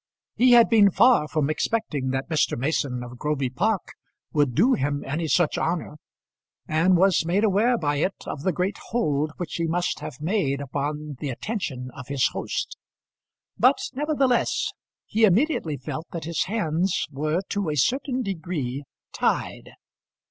He had been far from expecting that Mr. Mason of Groby Park would do him any such honour, and was made aware by it of the great hold which he must have made upon the attention of his host. But nevertheless he immediately felt that his hands were to a certain degree tied.